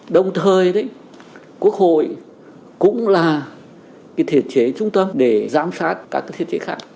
đồng thời quốc hội cũng là thiệt chế trung tâm để giám sát các thiệt chế khác